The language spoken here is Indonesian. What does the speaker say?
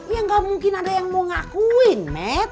ya nggak mungkin ada yang mau ngakuin mat